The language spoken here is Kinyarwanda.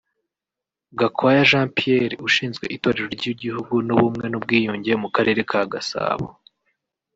Gakwaya Jean Pierre ushinzwe Itorero ry’Igihugu n’Ubumwe n’ubwiyunge mu Karere ka Gasabo